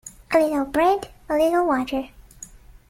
A little bread, a little water.